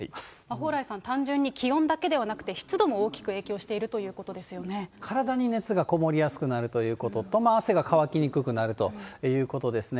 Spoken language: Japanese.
蓬莱さん、単純に気温だけではなくて、湿度も大きく影響して体に熱がこもりやすくなるということと、汗が乾きにくくなるということですね。